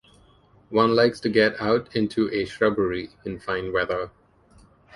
One likes to get out into a shrubbery in fine weather.